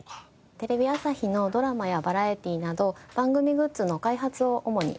テレビ朝日のドラマやバラエティーなど番組グッズの開発を主に担当しています。